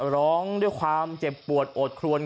ร้องด้วยความเจ็บปวดโอดครวน